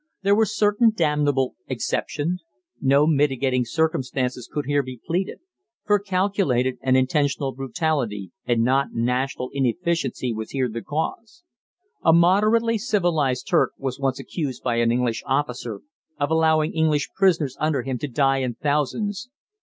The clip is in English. There were certain damnable exceptions: no mitigating circumstance could here be pleaded, for calculated and intentional brutality and not national inefficiency was here the cause. A moderately civilized Turk was once accused by an English officer of allowing English prisoners under him to die in thousands.